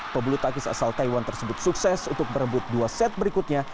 pebulu tangkis asal taiwan tersebut sukses untuk merebut dua set berikutnya